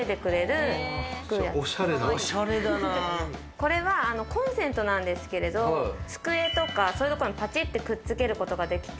これはコンセントなんですけれど、机とかそういうところにくっつけることができて。